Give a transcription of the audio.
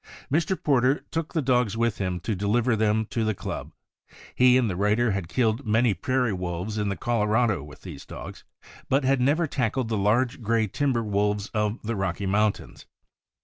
Mr. Porter took the dogs with him to deliver them to the club. He and the writer had killed many prairie wolves in Colorado with these dogs, but had never tackled the large gray timber wolves of the Rocky Mountains.